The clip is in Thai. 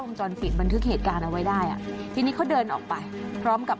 จรปิดบันทึกเหตุการณ์เอาไว้ได้อ่ะทีนี้เขาเดินออกไปพร้อมกับ